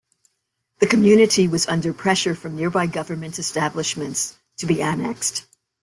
The community was under pressure from nearby government establishments to be annexed.